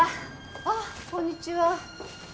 ああこんにちは。